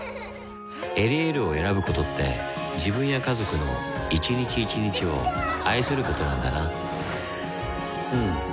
「エリエール」を選ぶことって自分や家族の一日一日を愛することなんだなうん。